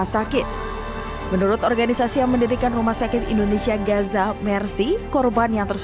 sakit menurut organisasi yang mendirikan rumah sakit indonesia gaza mercy korban yang terus